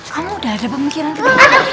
kamu udah ada pemikiran ketiga gak sih